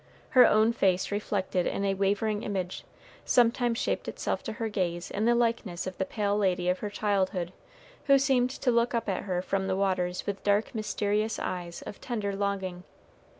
Her own face reflected in a wavering image, sometimes shaped itself to her gaze in the likeness of the pale lady of her childhood, who seemed to look up at her from the waters with dark, mysterious eyes of tender longing.